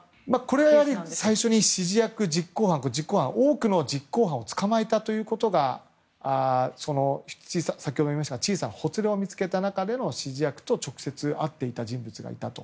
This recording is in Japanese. これは最初に多くの実行犯を捕まえたことが先ほども言いましたが小さなほつれを見つけた中での指示役と直接会っていた人物がいたと。